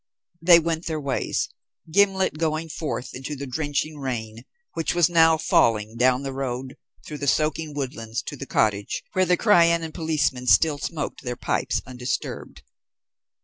They went their ways, Gimblet going forth into the drenching rain which was now falling down the road, through the soaking woodlands to the cottage, where the Crianan policemen still smoked their pipes undisturbed.